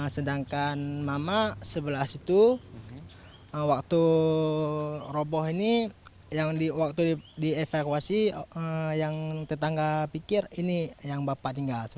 sedangkan mama sebelah situ waktu roboh ini yang waktu dievakuasi yang tetangga pikir ini yang bapak tinggal